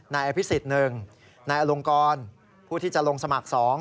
นายอภิษฎ๑นายอลงกรผู้ที่จะลงสมัคร๒